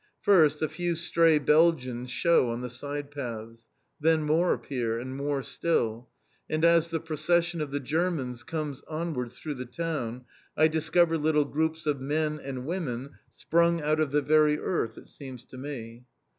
First, a few stray Belgians shew on the side paths. Then more appear, and more still, and as the procession of the Germans comes onwards through the town I discover little groups of men and women sprung out of the very earth it seems to me.